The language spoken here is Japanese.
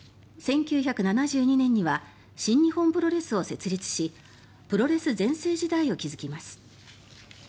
１９７２年には新日本プロレスを設立しプロレス全盛時代を築きます。